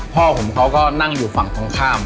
พ่อผมเขาก็นั่งอยู่ฝั่งตรงข้าม